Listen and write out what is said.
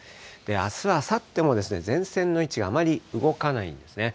あす、あさっても前線の位置があまり動かないんですね。